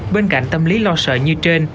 bên cạnh tâm lý lo sợ như trên